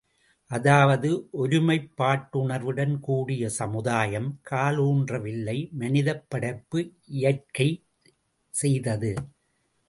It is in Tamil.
அதாவது ஒருமைப்பாட்டுணர்வுடன் கூடிய சமுதாயம் காலூன்றவில்லை மனிதப்படைப்பு இயற்கை செய்தது!